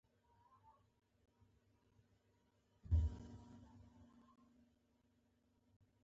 آزاد تجارت مهم دی ځکه چې پیسې لیږد اسانوي.